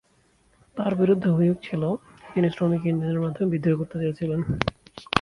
তার বিরুদ্ধে অভিযোগ ছিল তিনি শ্রমিক ইউনিয়নের মাধ্যমে বিদ্রোহ করতে চেয়েছিলেন।